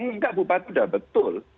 enggak bupati udah betul